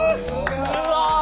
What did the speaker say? すごーい。